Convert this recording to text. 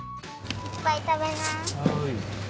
いっぱい食べな。